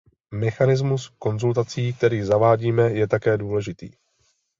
Mechanismus konzultací, který zavádíme, je také důležitý.